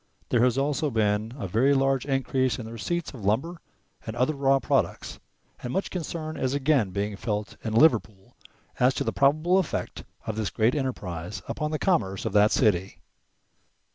There has also been a very large increase in the receipts of lumber and other raw products, and much concern is again being felt in Liverpool as to the probable effect of this great enterprise upon the commerce of that city.